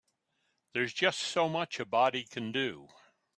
There's just so much a body can do.